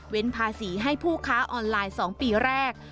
ภาษีให้ผู้ค้าออนไลน์๒ปีแรก